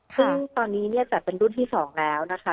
ซึ่งตอนนี้เนี่ยจัดเป็นรุ่นที่๒แล้วนะคะ